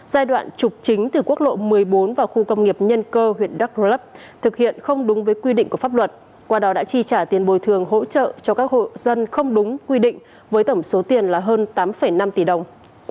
giai đoạn trục chính từ quốc lộ một mươi bốn vào khu công nghiệp nhân cơ huyện đắk rơ lấp thực hiện không đúng với quy định của pháp luật qua đó đã chi trả tiền bồi thường hỗ trợ cho các hộ dân không đúng quy định với tổng số tiền là hơn tám năm tỷ đồng